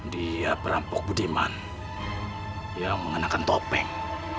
di perampok budiman yang mengenakan topeng